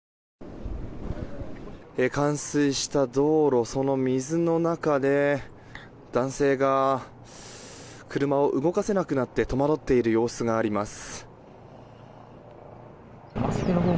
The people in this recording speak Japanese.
冠水した道路その水の中で、男性が車を動かせなくなって戸惑っている様子があります。